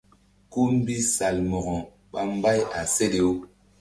Kú mbi Salmo̧ko ɓa mbay a seɗe-u.